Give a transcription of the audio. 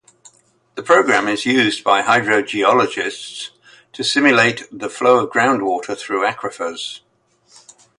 The program is used by hydrogeologists to simulate the flow of groundwater through aquifers.